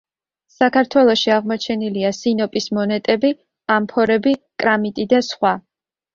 საქართველოში აღმოჩენილია სინოპის მონეტები, ამფორები, კრამიტი და სხვა.